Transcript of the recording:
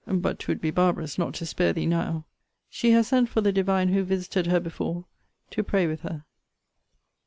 But 'twould be barbarous not to spare thee now. She has sent for the divine who visited her before, to pray with her.